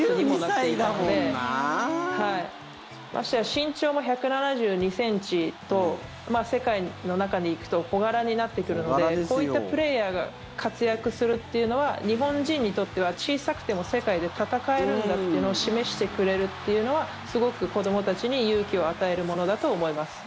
身長も１７２ｃｍと世界の中で行くと小柄になってくるのでこういったプレーヤーが活躍するというのは日本人にとっては小さくても世界で戦えるんだというのを示してくれるというのはすごく子どもたちに勇気を与えるものだと思います。